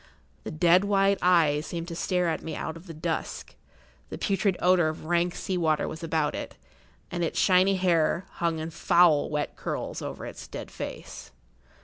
The dead white eyes seemed to stare at me out of the dusk; the putrid odour of rank sea water was about it, and its shiny hair hung in foul wet curls over its dead face.